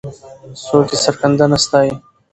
څوک یې سرښندنه ستایي؟